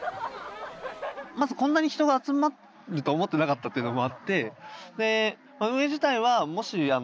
まずこんなに人が集まると思ってなかったっていうのもあって。